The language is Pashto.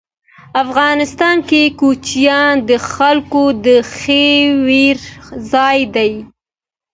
افغانستان کې کوچیان د خلکو د خوښې وړ ځای دی.